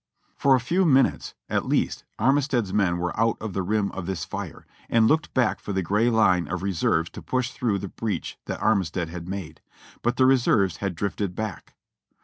For a few minutes, at least, Armistead's men were oiit of the rim of this fire, and looked back for the gray line of reserves to push through the breach that Armistead had made ; but the re serves had drifted back.